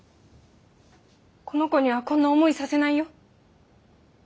この子にはこんな思いさせないよ。